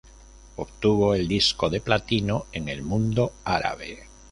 Obtuvo el disco de platino en el Mundo Árabe.